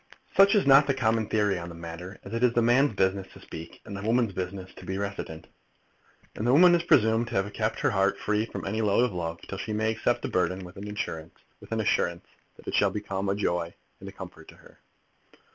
Such is not the common theory on the matter, as it is the man's business to speak, and the woman's business to be reticent. And the woman is presumed to have kept her heart free from any load of love, till she may accept the burthen with an assurance that it shall become a joy and a comfort to her.